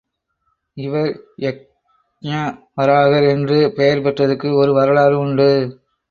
இவர் யக்ஞவராகர் என்று பெயர் பெற்றதற்கு ஒரு வரலாறு உண்டு.